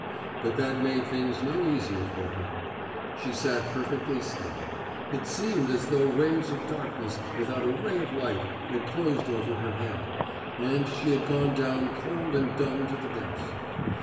But that made things no easier for her. She sat perfectly still; it seemed as though waves of darkness without a ray of light had closed over her head, and she had gone down cold and dumb to the depths.